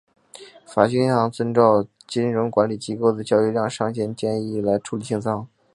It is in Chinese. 法兴银行遵照金融管理机构的交易量上限建议来处理清仓。